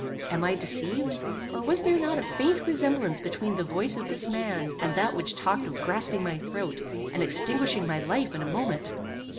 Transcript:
Am I deceived; or was there not a faint resemblance between the voice of this man and that which talked of grasping my throat, and extinguishing my life in a moment?